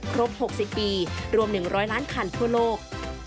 ครบ๖๐ปีรวม๑๐๐ล้านคันทั่วโลก